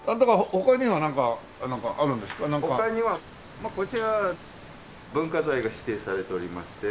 他にはこちら文化財が指定されておりまして。